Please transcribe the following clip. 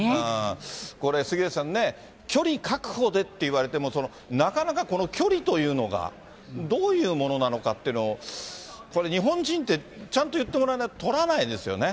これ、杉上さんね、距離確保でって言われても、なかなかこの距離というのが、どういうものなのかっていうのを、これ、日本人ってちゃんと言ってもらわないととらないですよね。